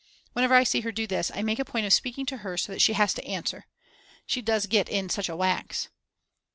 Whenever I see her do this, I make a point of speaking to her so that she has to answer. She does get in such a wax.